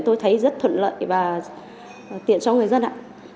tôi thấy rất thuận lợi và tiện cho người dân ạ